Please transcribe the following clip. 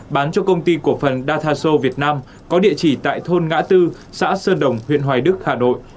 bán cho công ty cổ phần dataso việt nam có địa chỉ tại thôn ngã tư xã sơn đồng huyện hoài đức hà nội